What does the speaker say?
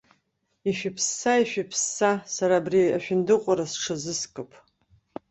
Ишәыԥсса, ишәыԥсса, сара абри ашәындыҟәра сҽазыскып.